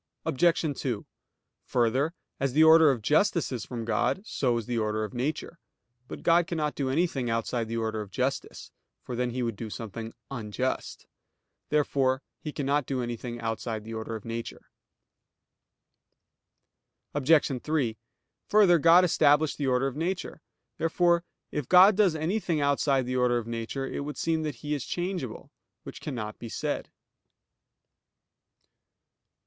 Obj. 2: Further, as the order of justice is from God, so is the order of nature. But God cannot do anything outside the order of justice; for then He would do something unjust. Therefore He cannot do anything outside the order of nature. Obj. 3: Further, God established the order of nature. Therefore it God does anything outside the order of nature, it would seem that He is changeable; which cannot be said.